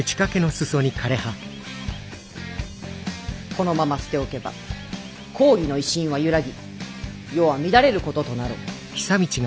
このまま捨て置けば公儀の威信は揺らぎ世は乱れることとなろう。